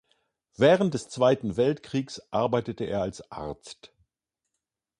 Während des Zweiten Weltkriegs arbeitete er als Arzt.